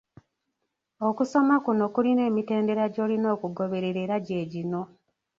Okusoma kuno kulina emitendera gy’olina okugoberera era gye gino.